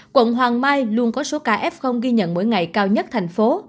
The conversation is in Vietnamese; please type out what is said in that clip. quận hoàng mai luôn có số ca f ghi nhận mỗi ngày cao nhất thành phố